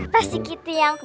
pastri kitty yang